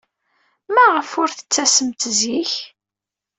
Maɣef ur d-tettasemt zik?